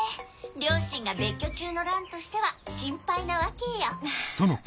両親が別居中の蘭としては心配なわけよ。